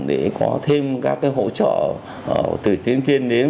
để có thêm các cái hỗ trợ từ tiến tiên đến